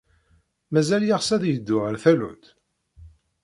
Mazal yeɣs ad yeddu ɣer tallunt?